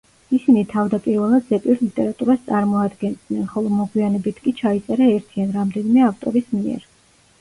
ისინი თავდაპირველად ზეპირ ლიტერატურას წარმოადგენდნენ, ხოლო მოგვიანებით კი ჩაიწერა ერთი ან რამდენიმე ავტორის მიერ.